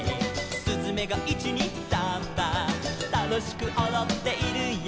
「すずめが１・２・サンバ」「楽しくおどっているよ」